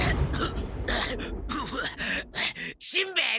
しんべヱ！